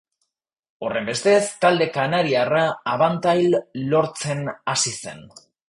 Horrenbestez, talde kanariarra abantial lortzen hasi zen.